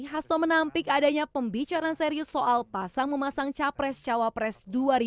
hasto menampik adanya pembicaraan serius soal pasang memasang capres cawapres dua ribu dua puluh